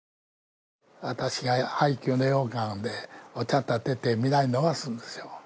私が配給のようかんでお茶をたてて、皆に飲ませるんですよ。